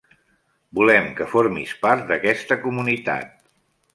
Volem que formis part d'aquesta comunitat.